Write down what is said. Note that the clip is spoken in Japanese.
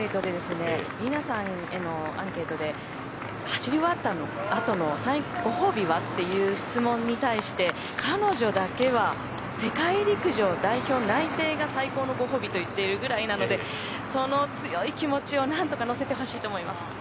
皆さんへのアンケートで走り終わったあとのご褒美は？っていう質問に対して彼女だけは世界陸上代表内定が最高のご褒美と言っているぐらいなのでその強い気持ちを何とか乗せてほしいと思います。